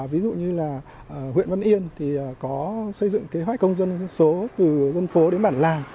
ví dụ như là huyện văn yên thì có xây dựng kế hoạch công dân số từ dân phố đến bản làng